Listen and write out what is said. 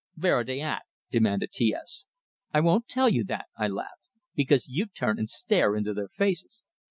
"Vere are dey at?" demanded T S. "I won't tell you that," I laughed, "because you'd turn and stare into their faces."